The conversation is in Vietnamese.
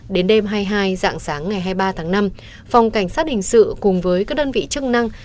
đến đêm hai mươi hai dạng sáng ngày hai mươi ba tháng năm phòng cảnh sát hình sự cùng với các đơn vị chức năng